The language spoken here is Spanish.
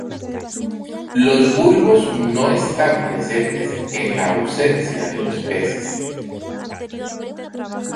Los bulbos no están presentes en la ausencia de los peces.